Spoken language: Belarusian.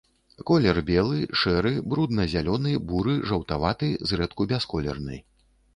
Колер белы, шэры, брудна-зялёны, буры, жаўтаваты, зрэдку бясколерны.